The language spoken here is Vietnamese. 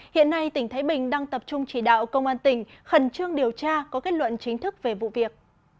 hiện nay tỉnh thái bình đang tập trung chỉ đạo công an tỉnh khẩn trương điều tra có kết luận chính thức về vụ việc